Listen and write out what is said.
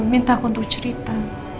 minta aku untuk cerita